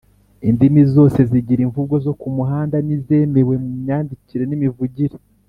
indimi zose zigira imvugo zo ku muhanda n’izemewe mu myandikire n’imivugire.